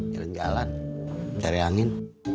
jalan jalan cari angin